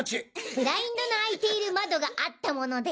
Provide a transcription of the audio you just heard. ブラインドの開いている窓があったもので。